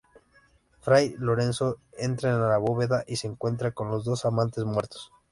Fray Lorenzo entra en la bóveda y se encuentra con los dos amantes muertos.